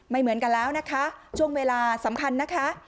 ไม่เหมือนกันแล้วนะคะช่วงเวลาสำคัญนะคะ